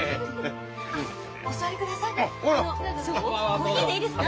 コーヒーでいいですか？